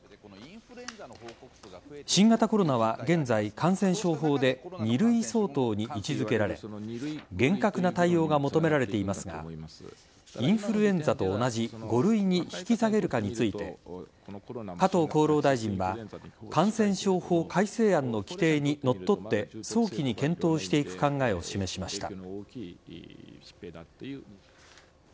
新型コロナは現在感染症法で２類相当に位置付けられ厳格な対応が求められていますがインフルエンザと同じ５類に引き下げるかについて加藤厚労大臣は感染症法改正案の規定にのっとって早期に検討していく考えを示しました。